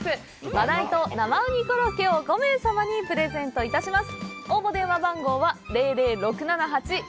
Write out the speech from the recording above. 「真鯛＆生うにコロッケ」を５名様にプレゼントいたします。